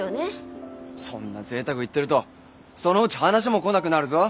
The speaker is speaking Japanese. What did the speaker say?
そんな贅沢言ってるとそのうち話も来なくなるぞ。